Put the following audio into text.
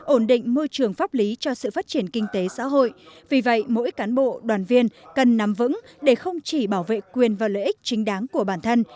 ổn định môi trường pháp lý cho sự phát triển kinh tế xã hội vì vậy mỗi cán bộ đoàn viên cần nắm vững để không chỉ bảo vệ quyền và lợi ích chính đáng của bản thân